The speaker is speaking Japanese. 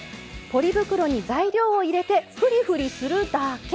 ポリ袋に材料を入れてふりふりするだけ。